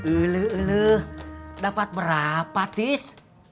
ulu ulu dapat berapa tis